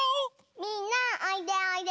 みんなおいでおいで！